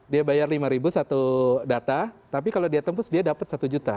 dia bayar lima satu data tapi kalau dia tembus dia dapat satu juta